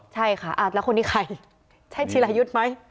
ใช่ค่ะแล้วคนนี้ใครใช่จิรายุทธ์ไหม